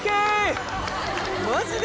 マジで？